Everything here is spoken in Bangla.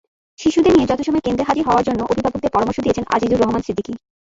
শিশুদের নিয়ে যথাসময়ে কেন্দ্রে হাজির হওয়ার জন্য অভিভাবকদের পরামর্শ দিয়েছেন আজিজুর রহমান সিদ্দিকী।